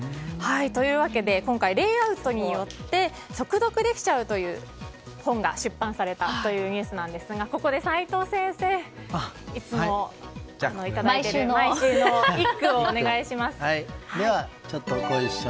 というわけで今回、レイアウトによって速読できちゃうという本が出版されたというニュースですがここで齋藤先生一句お願いします。